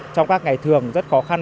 trong các ngày thường rất khó khăn